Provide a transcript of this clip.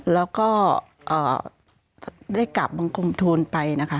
แล้วก็ได้กลับบังคมทูลไปนะคะ